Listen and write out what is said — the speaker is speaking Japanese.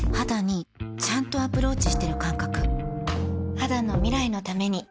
肌の未来のために